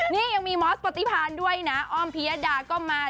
นี่ยังมีมอสปฏิพานด้วยนะอ้อมพิยดาก็มา